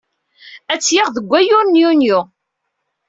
Ad tt-yaɣ deg wayyur n Yunyu.